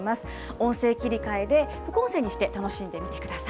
音声切り替えで副音声にして楽しんでみてください。